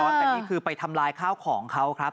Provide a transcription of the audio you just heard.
แต่นี่คือไปทำลายข้าวของเขาครับ